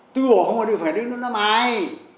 tu bổ không có đưa phải đứa nó mài